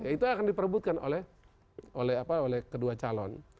itu akan diperbutkan oleh kedua calon